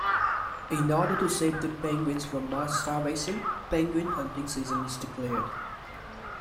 In order to save the penguins from mass starvation, penguin hunting season is declared.